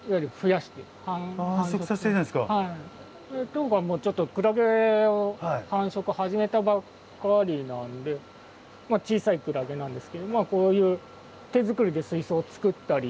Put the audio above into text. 当館もちょっとクラゲを繁殖始めたばっかりなんでまあ小さいクラゲなんですけどこういう手作りで水槽作ったり。